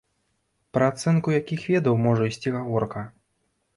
Пра ацэнку якіх ведаў можа ісці гаворка?